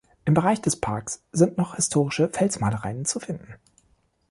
Im Bereich des Parks sind noch historische Felsmalereien zu finden.